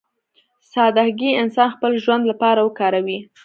سادهګي انسان خپل ژوند لپاره وکاروي.